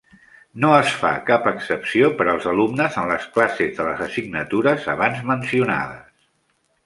No es fa cap excepció per als alumnes en les classes de les assignatures abans mencionades.